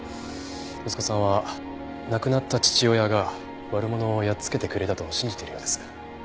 息子さんは亡くなった父親が悪者をやっつけてくれたと信じているようです。